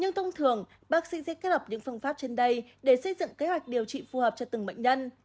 nhưng thông thường bác sĩ sẽ kết hợp những phương pháp trên đây để xây dựng kế hoạch điều trị phù hợp cho từng bệnh nhân